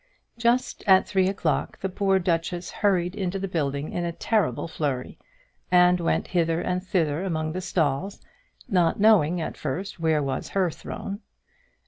Just at three o'clock the poor duchess hurried into the building in a terrible flurry, and went hither and thither among the stalls, not knowing at first where was her throne.